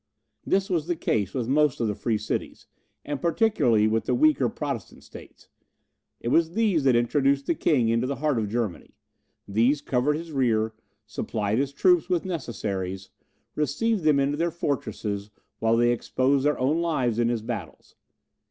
This was the case with most of the free cities, and particularly with the weaker Protestant states. It was these that introduced the king into the heart of Germany; these covered his rear, supplied his troops with necessaries, received them into their fortresses, while they exposed their own lives in his battles.